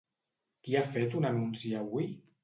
Qui ha fet un anunci avui?